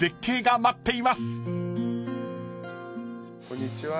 こんにちは。